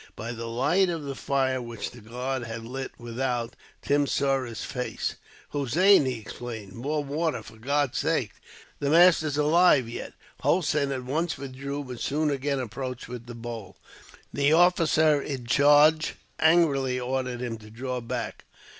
By the light of the fire which the guard had lit without, Tim saw his face. "Hossein," he exclaimed, "more water, for God's sake! The master's alive yet." Hossein at once withdrew, but soon again approached with the bowl. The officer in charge angrily ordered him to draw back.